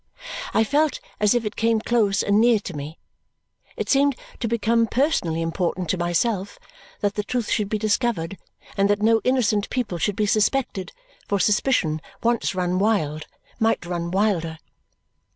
I felt as if it came close and near to me. It seemed to become personally important to myself that the truth should be discovered and that no innocent people should be suspected, for suspicion, once run wild, might run wilder.